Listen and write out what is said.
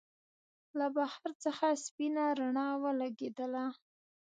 له بهر څخه سپينه رڼا ولګېدله.